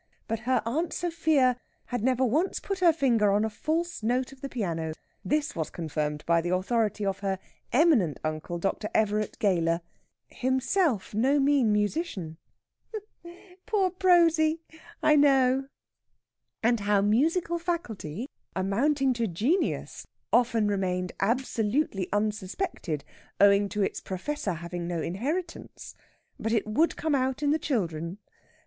But her Aunt Sophia had never once put her finger on a false note of the piano. This was confirmed by the authority of her eminent uncle, Dr. Everett Gayler, himself no mean musician." "Poor Prosy! I know." "And how musical faculty amounting to genius often remained absolutely unsuspected owing to its professor having no inheritance. But it would come out in the children.